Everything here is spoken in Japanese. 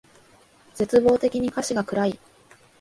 絶望的に歌詞が暗い